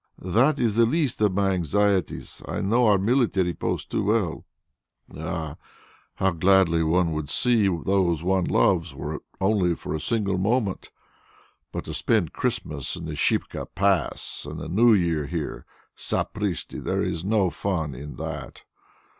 "That is the least of my anxieties; I know our military post too well." "Ah, how gladly one would see those one loves, were it only for a single moment! But to spend Christmas in the Shipka Pass and the New Year here, sapristi! there is no fun in that.